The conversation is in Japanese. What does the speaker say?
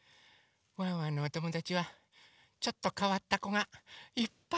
ワンワンのおともだちはちょっとかわったこがいっぱい。